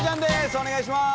お願いします。